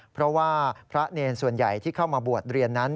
เพราะว่าพระเนรส่วนใหญ่ที่เข้ามาบวชเรียนนั้น